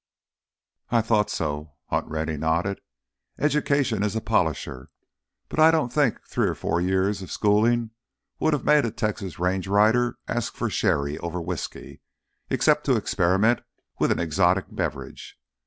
"I thought so." Hunt Rennie nodded. "Education is a polisher, but I don't think three or four years' schooling would have made a Texas range rider ask for sherry over whisky—except to experiment with an exotic beverage.